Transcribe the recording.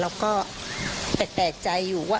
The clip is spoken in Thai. แล้วก็แตกใจอยู่ว่า